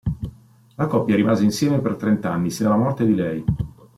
La coppia rimase insieme per trenta anni, sino alla morte di lei.